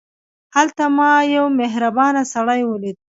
هلته ما یو مهربان سړی ولید.